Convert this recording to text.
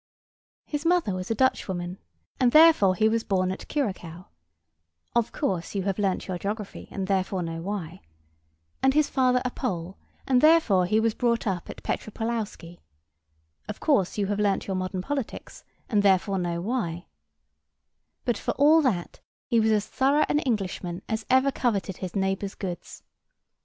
His mother was a Dutchwoman, and therefore he was born at Curaçao (of course you have learnt your geography, and therefore know why); and his father a Pole, and therefore he was brought up at Petropaulowski (of course you have learnt your modern politics, and therefore know why): but for all that he was as thorough an Englishman as ever coveted his neighbour's goods.